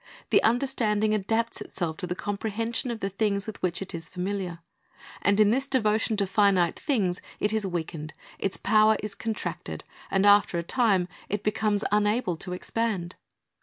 The understanding adapts itself to the comprehension of the things with which it is familiar, and in this devotion to finite things it is weakened, its power is contracted, and after a time it becomes unable to expand.